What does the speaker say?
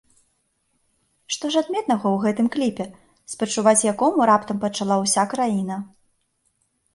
Што ж адметнага ў гэтым кліпе, спачуваць якому раптам пачала ўся краіна?